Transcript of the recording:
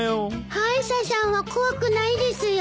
・歯医者さんは怖くないですよ。